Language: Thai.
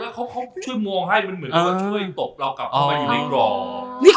แล้วเขาช่วยมองให้มันเหมือนกับว่าช่วยตบเรากลับเข้ามาอยู่ในกรอบ